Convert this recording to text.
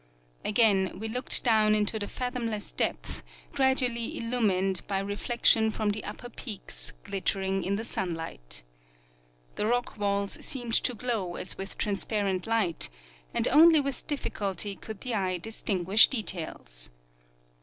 Again we looked doAvn into the fathomless depth, gradually illumined by reflection from the upper peaks glitter ing in the sunlight. The rock walls seemed to glow as with transparent light, and only with difficulty could the eye distin guish details.